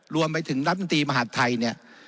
รวมไปถึงรัฐมนตรีมหาดไทยเนี่ย